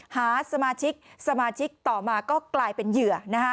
หาสมาชิกสมาชิกต่อมาก็กลายเป็นเหยื่อ